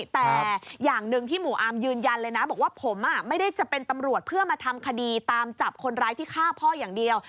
แต่อย่างหนึ่งที่หมู่อาร์มยืนยันเลยนะบอกว่าผมไม่ได้จะเป็นตำรวจเพื่อมาทำคดีตามจับคนร้ายที่ฆ่าพ่ออย่างเดียว